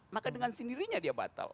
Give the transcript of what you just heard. maka dengan sendirinya dia batal